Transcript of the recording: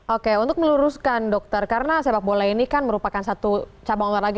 oke untuk meluruskan dokter karena sepak bola ini kan merupakan satu cabang olahraga